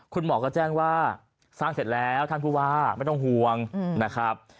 คุณหมอก็แจ้งว่าสร้างเสร็จแล้วท่านผู้ว่าไม่ต้องห่วงนะครับ